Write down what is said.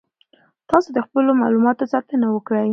تاسو د خپلو معلوماتو ساتنه وکړئ.